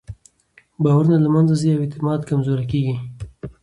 باورونه له منځه ځي او اعتماد کمزوری کېږي.